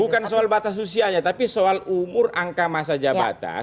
bukan soal batas usianya tapi soal umur angka masa jabatan